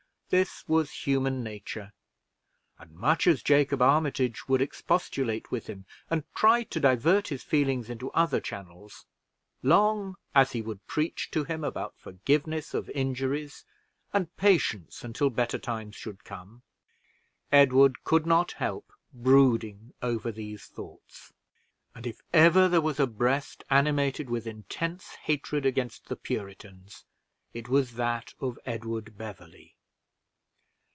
This was human nature; and much as Jacob Armitage would expostulate with him, and try to divert his feelings into other channels long as he would preach to him about forgiveness of injuries, and patience until better times should come, Edward could not help brooding over these thoughts, and if ever there was a breast animated with intense hatred against the Puritans, it was that of Edward Beverley.